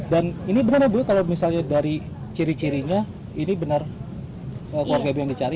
dan ini benar bu kalau misalnya dari ciri cirinya ini benar keluarga bu yang dicari